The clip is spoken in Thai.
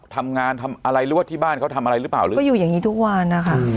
ทำงานทำอะไรหรือว่าที่บ้านเขาทำอะไรหรือเปล่าหรือก็อยู่อย่างนี้ทุกวันนะคะ